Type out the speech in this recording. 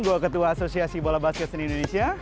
gue ketua asosiasi bola basket seni indonesia